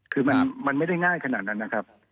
คือมันไม่ได้ง่ายขนาดนั้นนะครับ